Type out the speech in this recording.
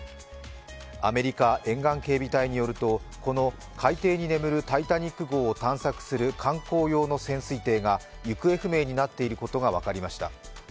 アメリカ沿岸警備隊によるとこの海底に眠る「タイタニック」号を探索する観光用の潜水艇が行方不明になっていることが分かりました。